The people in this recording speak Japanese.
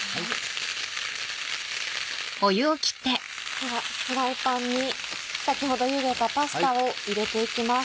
ではフライパンに先ほど茹でたパスタを入れていきます。